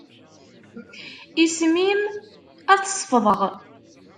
Isem-im ad t-sefḍeɣ.